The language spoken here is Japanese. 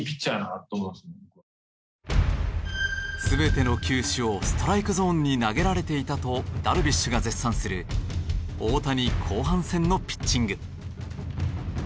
全ての球種をストライクゾーンに投げられていたとダルビッシュが絶賛する大谷後半戦のピッチング。